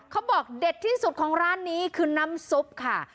เขาบอกเด็ดที่สุดของร้านนี้คือน้ำซุปค่ะ